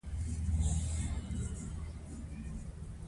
په غیري اسلامي دولت کښي حاکم یا امر ډیکتاتور يي.